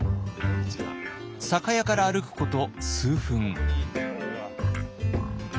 酒屋から歩くこと数分。